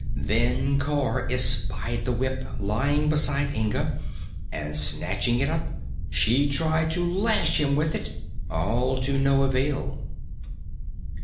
Then Cor espied the whip lying beside Inga and snatching it up she tried to lash him with it all to no avail.